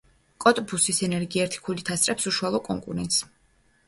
კოტბუსის ენერგი ერთი ქულით ასწრებს უშუალო კონკურენტს.